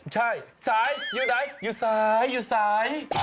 ใช่สายอยู่ไหนอยู่ใสอยู่ใส